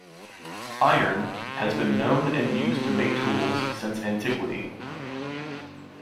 Iron has been known and used to make tools since antiquity.